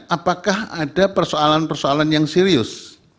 apakah ada persoalan persoalan yang serius